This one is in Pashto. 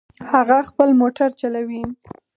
هغه خپل موټر چلوي